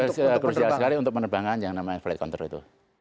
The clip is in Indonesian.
crucial sekali untuk penerbangan yang namanya flight control itu